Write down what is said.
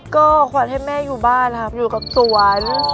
ก็ขวัญให้แม่อยู่บ้านครับอยู่กับสวน